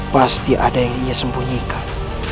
pasti ada yang ingin saya sembunyikan